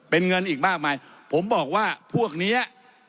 เป็นเงินอีกมากมายผมบอกว่าพวกเนี้ย